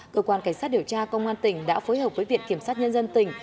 cơ quan cảnh sát điều tra công an tỉnh đã phối hợp với viện kiểm sát nhân dân tỉnh